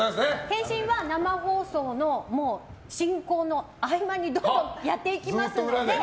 変身は生放送の進行の合間にどんどんやっていきますので。